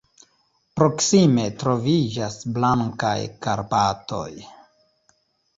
Proksime troviĝas Blankaj Karpatoj.